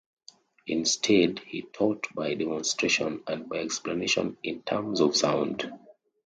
Instead he "taught" by demonstration and by explanation in terms of sound.